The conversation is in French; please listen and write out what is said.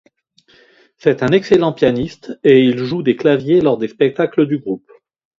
C'est un excellent pianiste, et il joue des claviers lors des spectacles du groupe.